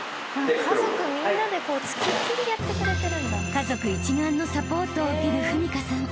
［家族一丸のサポートを受ける史佳さん］